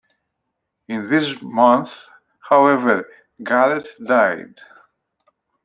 In this month, however, Garrett died.